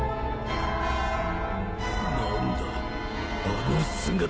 何だ